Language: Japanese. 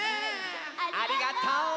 ありがとう！